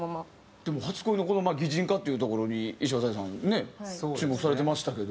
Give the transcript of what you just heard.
でも初恋のこのまあ擬人化っていうところにいしわたりさんね注目されてましたけど。